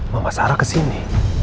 mama sarah kesini